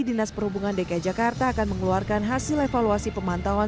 dinas perhubungan dki jakarta akan mengeluarkan hasil evaluasi pemantauan